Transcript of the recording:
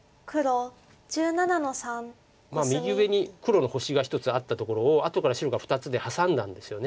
右上に黒の星が１つあったところを後から白が２つでハサんだんですよね。